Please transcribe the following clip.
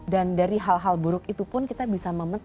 dan dari hal hal buruk itu pun kita bisa mengembangkan